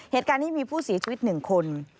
เหตุการณ์นี้มีผู้เสียชีวิต๑คน